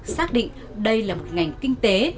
xác định đây là một ngành kinh tế